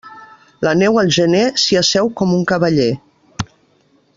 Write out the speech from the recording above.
La neu al gener, s'hi asseu com un cavaller.